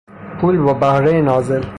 پول با بهرهی نازل